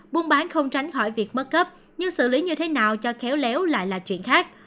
buôn bán không tránh khỏi việc mất cấp nhưng xử lý như thế nào cho khéo léo lại là chuyện khác